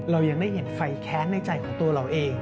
เรายังได้เห็นไฟแค้นในใจของตัวเราเอง